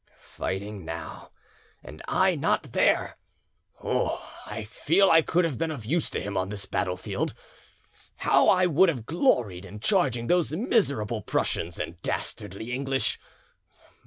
"Fighting now and I not there! Oh, I feel I could have been of use to him on this battlefield. How I would have gloried in charging those miserable Prussians and dastardly English!